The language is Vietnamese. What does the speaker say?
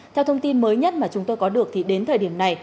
theo thông tin mới nhất mà chúng tôi có được thì đến thời điểm này